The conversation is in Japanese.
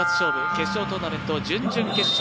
決勝トーナメント、準々決勝。